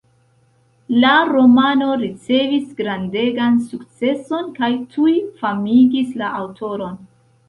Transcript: La romano ricevis grandegan sukceson, kaj tuj famigis la aŭtoron.